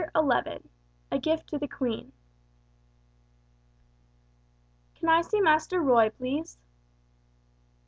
XI A GIFT TO THE QUEEN "Can I see Master Roy, please?"